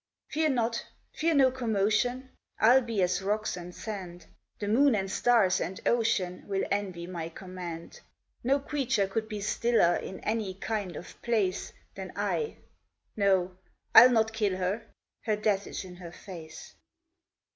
"Fear not, fear no commotion, I'll be as rocks and sand; The moon and stars and ocean Will envy my command; No creature could be stiller In any kind of place Than I... No, I'll not kill her; Her death is in her face.